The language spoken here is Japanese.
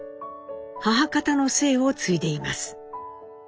母方の姓を継いでいます。